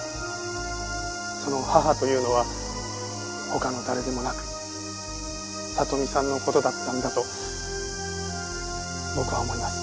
その母というのは他の誰でもなく里美さんの事だったんだと僕は思います。